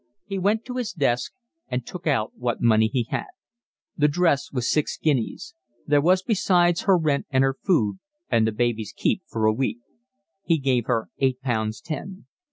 He went to his desk and took out what money he had. The dress was six guineas; there was besides her rent and her food, and the baby's keep for a week. He gave her eight pounds ten.